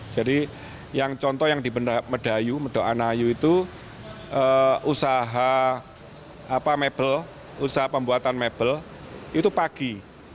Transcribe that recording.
jadi yang contoh yang di medayu medoanayu itu usaha pembuatan mebel itu pagi